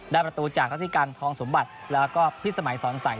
ประตูจากรัฐธิการทองสมบัติแล้วก็พิษสมัยสอนใส